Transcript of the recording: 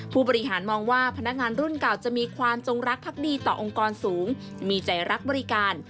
ผู้บริหารมองว่าพนักงานรุ่นเก่าจะมีความจงรักพักดีต่อองค์กรสูงมีใจรักบริการ